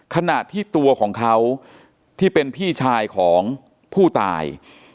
ขณะที่ตัวของเขาที่เป็นพี่ชายของผู้ตาย